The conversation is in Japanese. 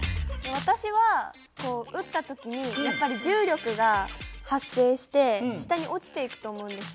私は撃った時にやっぱり重力が発生して下に落ちていくと思うんですよ。